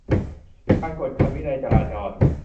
การกวดขันวินัยจราจร